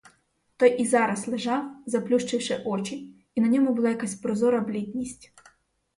Той і зараз лежав, заплющивши очі, і на ньому була якась прозора блідість.